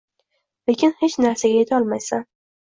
Lekin hech narsaga yetolmaysan